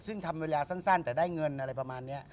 ซึ่งทำเวลาสั้นแต่ได้เงินอะไรประมาณนี้